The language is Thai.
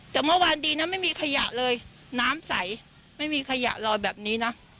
แต่เมื่อวานดีนะไม่มีขยะเลยน้ำใสไม่มีขยะลอยแบบนี้นะ